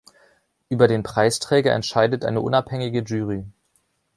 Über den Preisträger entscheidet eine unabhängige Jury.